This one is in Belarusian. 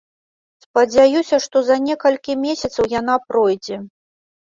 Спадзяюся, што за некалькі месяцаў яна пройдзе.